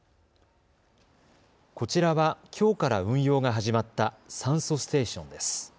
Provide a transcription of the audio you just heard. こちらは、きょうから運用が始まった酸素ステーションです。